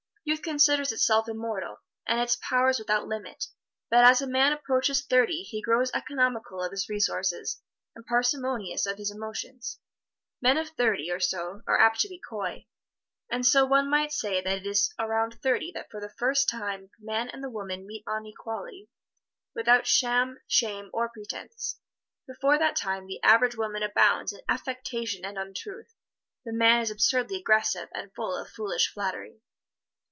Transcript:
Youth considers itself immortal, and its powers without limit, but as a man approaches thirty he grows economical of his resources and parsimonious of his emotions. Men of thirty, or so, are apt to be coy. And so one might say that it is around thirty that for the first time the man and the woman meet on an equality, without sham, shame or pretense. Before that time the average woman abounds in affectation and untruth; the man is absurdly aggressive and full of foolish flattery.